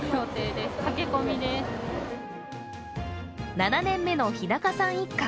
７年目の日高さん一家。